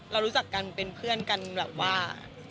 รู้จักกันเป็นเพื่อนกันแบบว่า